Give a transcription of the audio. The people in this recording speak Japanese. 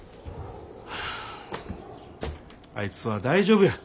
あいつは大丈夫や。